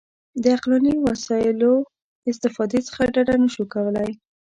د عقلاني وسایلو استفادې څخه ډډه نه شو کولای.